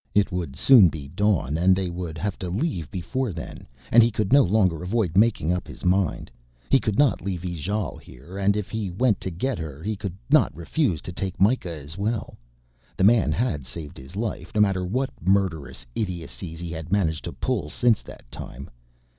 It would soon be dawn and they would have to leave before then, and he could no longer avoid making up his mind. He could not leave Ijale here, and if he went to get her he could not refuse to take Mikah as well. The man had saved his life, no matter what murderous idiocies he had managed to pull since that time.